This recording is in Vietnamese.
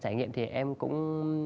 trải nghiệm thì em cũng